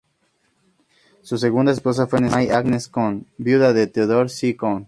Su segunda esposa fue May Agnes Cone, viuda de Theodore C. Cone.